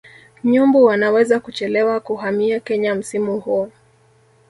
Nyumbu wanaweza kuchelewa kuhamia Kenya msimu huu